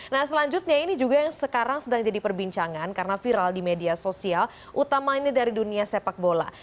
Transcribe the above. nah selanjutnya ini juga yang sekarang sedang jadi perbincangan karena viral di media sosial utama ini dari dunia sepak bola